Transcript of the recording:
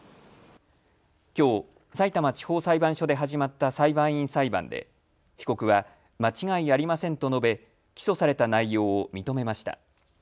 きょう、さいたま地方裁判所で始まった裁判員裁判で被告は間違いありませんと述べ起訴された内容を認めました。